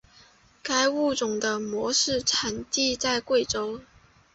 该物种的模式产地在贵州。